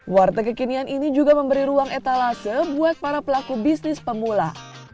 warteg kekinian ini juga memberi ruang etalase buat para pelaku bisnis pemula